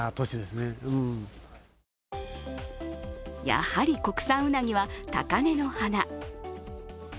やはり国産うなぎは高嶺の花。